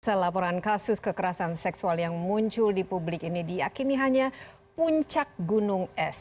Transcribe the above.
selaporan kasus kekerasan seksual yang muncul di publik ini diakini hanya puncak gunung es